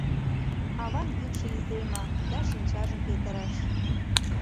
Аван йӱкшӧ иземе, да шинчажым петырыш.